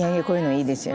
いいですな！」